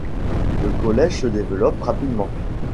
Le collège se développe rapidement.